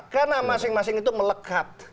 karena masing masing itu melekat